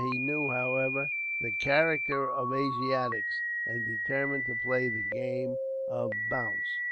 He knew, however, the character of Asiatics, and determined to play the game of bounce.